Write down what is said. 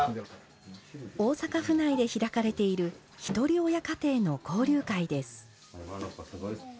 大阪府内で開かれているひとり親家庭の交流会です。